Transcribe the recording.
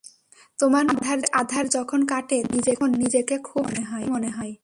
তোমার মুখের আঁধার যখন কাটে, তখন নিজেকে খুব সুখী মনে হয়।